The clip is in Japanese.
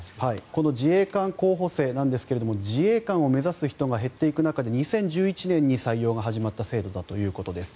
この自衛官候補生ですが自衛官を目指す人が減っていく中で２０１１年に採用が始まった制度だということです。